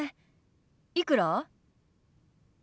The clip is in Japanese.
いくら？